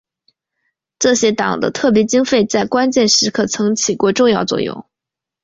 这些党的特别经费在关键时刻曾起过重要作用。